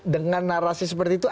dengan narasi seperti itu